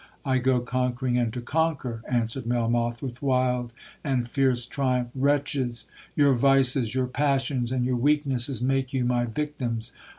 '—'I go conquering and to conquer,' answered Melmoth with wild and fierce triumph—'wretches! your vices, your passions, and your weaknesses, make you my victims.